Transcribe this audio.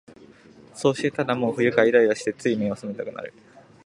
そうして、ただもう不愉快、イライラして、つい眼をそむけたくなる